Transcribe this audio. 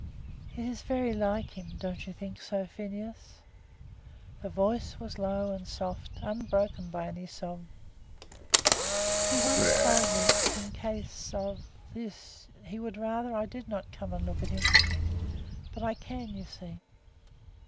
"It is very like him; don't you think so, Phineas?" The voice low and soft, unbroken by any sob. "He once told me, in case of this, he would rather I did not come and look at him; but I can, you see."